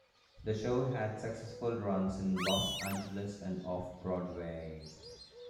The show had successful runs in Los Angeles and Off-Broadway.